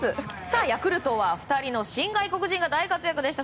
ヤクルトは２人の新外国人が大活躍でした。